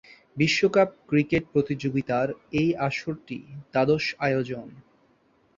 বিশ্বকাপ ক্রিকেট প্রতিযোগিতার এ আসরটি দ্বাদশ আয়োজন।